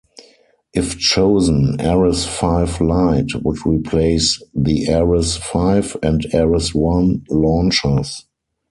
If chosen, Ares Five Lite would replace the Ares Five and Ares One launchers.